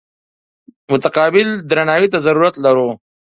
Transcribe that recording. متقابل درناوي ته ضرورت لرو.